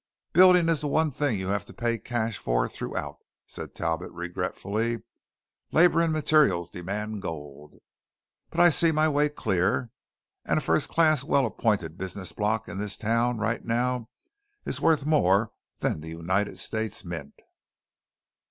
"Building is the one thing you have to pay cash for throughout," said Talbot regretfully. "Labour and materials demand gold. But I see my way clear; and a first class, well appointed business block in this town right now is worth more than the United States mint.